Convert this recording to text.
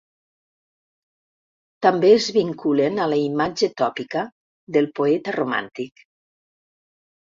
També es vinculen a la imatge tòpica del poeta romàntic.